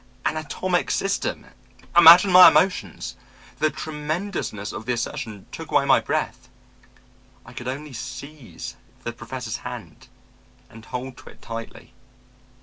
"An atomic system! Imagine my emotions. The tremendousness of the assertion took away my breath. I could only seize the Professor's hand and hold to it tightly.